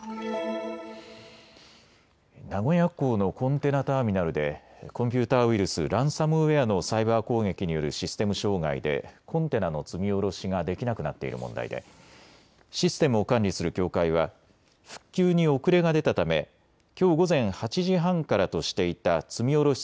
名古屋港のコンテナターミナルでコンピューターウイルス、ランサムウエアのサイバー攻撃によるシステム障害でコンテナの積み降ろしができなくなっている問題でシステムを管理する協会は復旧に遅れが出たためきょう午前８時半からとしていた積み降ろし